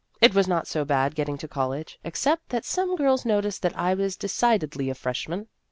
It was not so bad getting to the college, except that some girls noticed that I was decidedly a freshman.